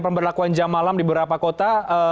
pemberlakuan jam malam di beberapa kota